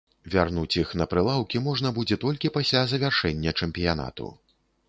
Вярнуць іх на прылаўкі можна будзе толькі пасля завяршэння чэмпіянату.